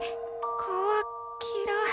川きらい。